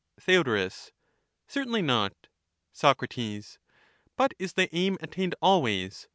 Theod, Certainly not Soc, But is the aim attained always?